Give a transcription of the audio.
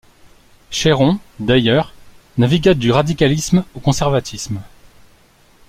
Chéron d’ailleurs, navigua du radicalisme au conservatisme.